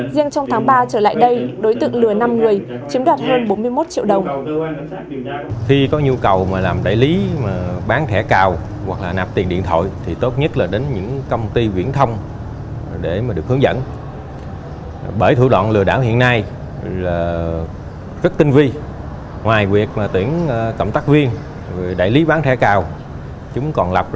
riêng trong tháng ba trở lại đây đối tượng lừa năm người chiếm đoạt hơn bốn mươi một triệu đồng